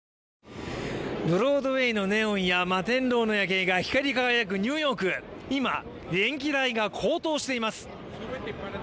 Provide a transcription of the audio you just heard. ブロードウェイのネオンや摩天楼の夜景が光り輝くニューヨーク、今、電気代が高騰しています。